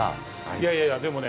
いやいやいやでもね